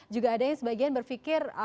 juga ada yang sebagian berpikir